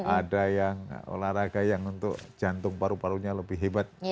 ada yang olahraga yang untuk jantung paru parunya lebih hebat